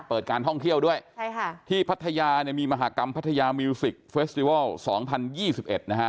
เปิดการท่องเที่ยวด้วยใช่ค่ะที่พัทยามีมหากรรมพัทยามิวสิคเฟสติวอลสองพันยี่สิบเอ็ดนะฮะ